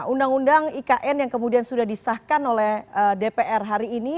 undang undang ikn yang kemudian sudah disahkan oleh dpr hari ini